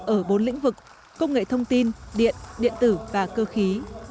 ở bốn lĩnh vực công nghệ thông tin điện điện tử và cơ khí